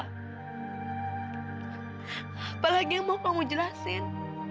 apalagi yang mau kamu jelasin